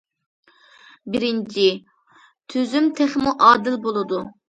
بىرىنچى، تۈزۈم تېخىمۇ ئادىل بولىدۇ.